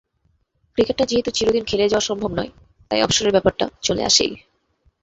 ক্রিকেটটা যেহেতু চিরদিন খেলে যাওয়া সম্ভব নয়, তাই অবসরের ব্যাপারটা চলে আসেই।